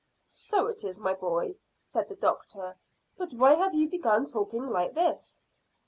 "So it is, my boy," said the doctor; "but why have you begun talking like this?"